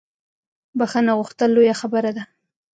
بخښنه کول لویه خبره ده